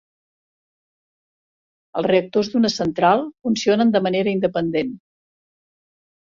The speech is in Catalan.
Els reactors d'una central funcionen de manera independent.